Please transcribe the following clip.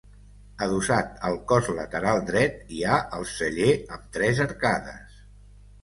Adossat al cos lateral dret hi ha el celler amb tres arcades.